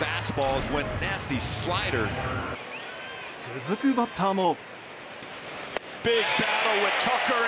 続くバッターも。